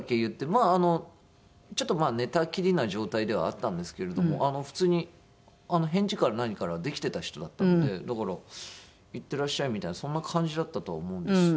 まああのちょっと寝たきりな状態ではあったんですけれども普通に返事から何からできてた人だったのでだから「いってらっしゃい」みたいなそんな感じだったとは思うんです。